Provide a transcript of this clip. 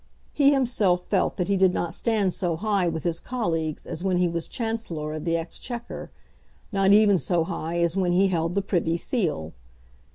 He himself felt that he did not stand so high with his colleagues as when he was Chancellor of the Exchequer; not even so high as when he held the Privy Seal.